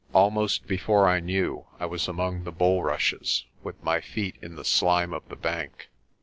Almost before I knew, I was among the bulrushes, with my feet in the slime of the bank.